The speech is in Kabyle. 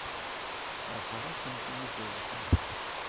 Feṛḥeɣ-akent mi trebḥemt.